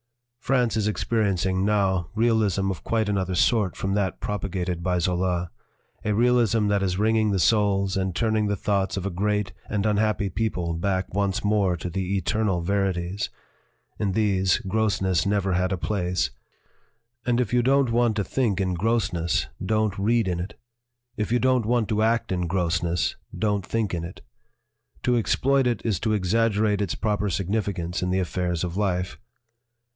"France is experiencing now realism of quite another sort from that propagated by Zola a 1 80 BUSINESS AND ART realism that is wringing the souls and turning the thoughts of a great and unhappy people back once more to the eternal verities; in these gross ness never had a place. "And if you don't want to think in grossness, / don't read in it; if you don't want to act in gross If ness, don't think in it. To exploit it is to exag gerate its proper significance in the affairs of life.